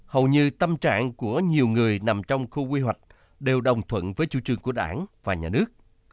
hầu như tâm trạng của nhiều người nằm trong khu quy hoạch đều đồng thuận với chủ trương của đảng và nhà nước